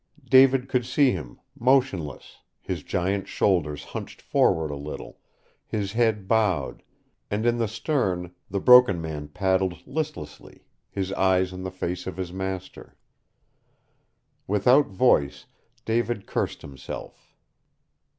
David could see him, motionless, his giant shoulders hunched forward a little, his head bowed, and in the stern the Broken Man paddled listlessly, his eyes on the face of his master. Without voice David cursed himself.